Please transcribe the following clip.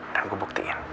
dan gua buktiin